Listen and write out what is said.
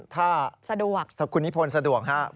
ถ้าคุณนิพนธ์สะดวกครับ